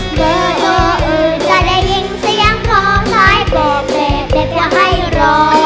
ในเมินโตอื่นจะได้ยินเสียงโภรไทบกเตะเตะเพียวให้รอ